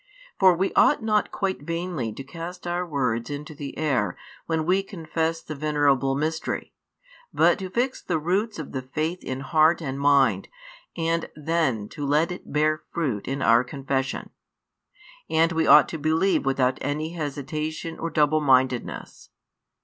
For we ought not quite vainly to cast our words into the air when we confess the venerable mystery, but to fix the roots of the faith in heart and mind and then to let it bear fruit in our confession; and we ought to believe without any hesitation or double mindedness.